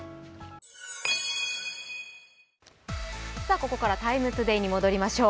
ここからは「ＴＩＭＥ，ＴＯＤＡＹ」に戻りましょう。